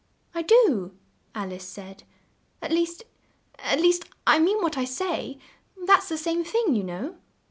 "I do," Al ice said; "at least at least I mean what I say that's the same thing, you know."